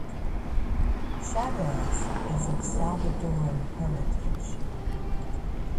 Chavez is of Salvadoran heritage.